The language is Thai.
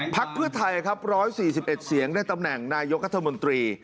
พักเพื่อไทยครับ๑๔๑เสียงได้ตำแหน่งนายกรัฐมนตรี